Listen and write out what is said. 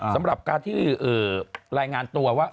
สำหรับการที่รายงานตัวว่า